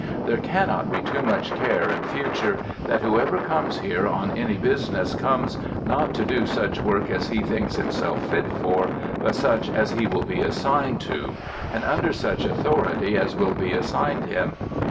There cannot be too much care in future that whoever comes here on any business comes, not to do such work as he thinks himself fit for, but such as he will be assigned to, and under such authority as will be assigned him.